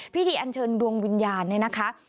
พิธีอันเชิญดวงวิญญาณนะคะ